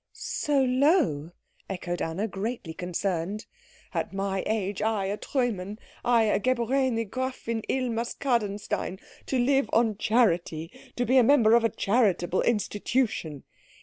"So low?" echoed Anna, greatly concerned. "At my age I, a Treumann I, a geborene Gräfin Ilmas Kadenstein to live on charity to be a member of a charitable institution!"